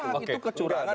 nggak itu curangan